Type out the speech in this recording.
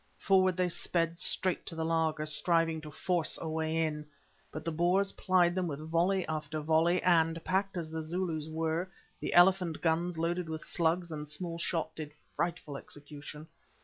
Forward they sped straight to the laager, striving to force a way in. But the Boers plied them with volley after volley, and, packed as the Zulus were, the elephant guns loaded with slugs and small shot did frightful execution.